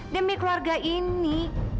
demi keluarga ini